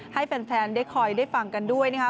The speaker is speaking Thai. ให้แฟนได้คอยได้ฟังกันด้วยนะคะ